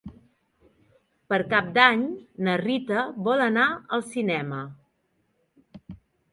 Per Cap d'Any na Rita vol anar al cinema.